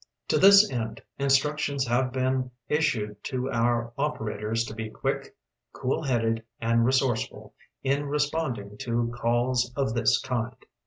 To this end, instructions have been issued to our operators to be quick, cool headed and resourceful iu responding to calls of this kind”.